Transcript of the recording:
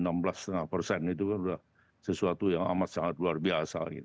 itu kan sudah sesuatu yang amat sangat luar biasa gitu